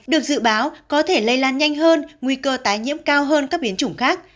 được dự báo có thể lây lan nhanh hơn nguy cơ tái nhiễm cao hơn các biến chủng khác